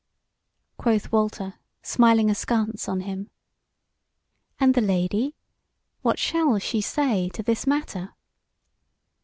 Quoth Walter, smiling askance on him: "And the Lady? what shall she say to this matter?"